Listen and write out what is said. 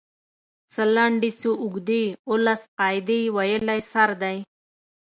څۀ لنډې څۀ اوږدې اووه لس قاعدې ويلی سر دی